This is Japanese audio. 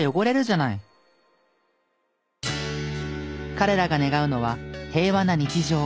彼らが願うのは平和な日常。